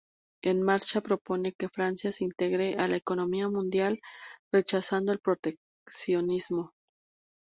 En Marcha propone que Francia se integre a la economía mundial, rechazando el proteccionismo.